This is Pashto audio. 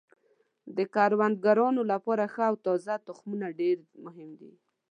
د کروندګرانو لپاره ښه او تازه تخمونه ډیر مهم دي.